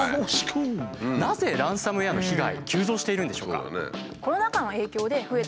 なぜランサムウエアの被害急増しているんでしょうか？